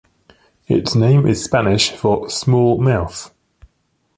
Its name is Spanish for "small mouth".